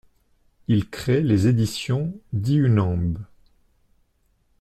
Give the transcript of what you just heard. Il crée les Éditions Dihunamb.